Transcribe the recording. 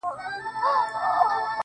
• حتمآ به ټول ورباندي وسوځيږي.